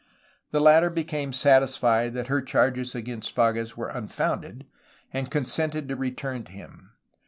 The latter became satisfied that her charges against Fages were unfounded, and consented to return to him.